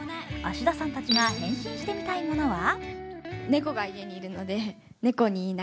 芦田さんたちが変身してみたいものは？